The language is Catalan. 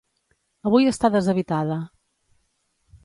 Avui està deshabitada.